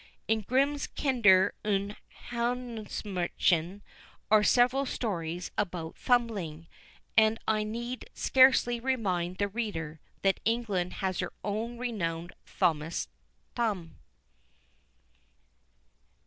In Grimm's Kinder und Hausmärchen are several stories about Thumbling; and I need scarcely remind the reader that England has her own renowned Thomas Thumb.